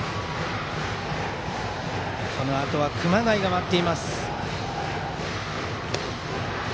このあとは熊谷が待っています。